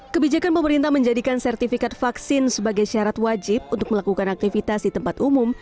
kebijakan pemerintah menjadikan sertifikat vaksin sebagai syarat wajib untuk melakukan aktivitas di tempat umum